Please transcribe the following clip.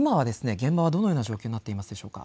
現場はどのような状況になっていますでしょうか。